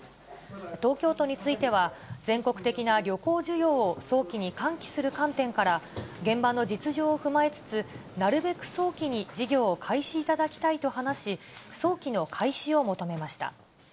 東京都については、全国的な旅行需要を早期に喚起する観点から、現場の実情を踏まえつつ、なるべく早期に事業を開始いただきたいと話し、早期の開始を求めました。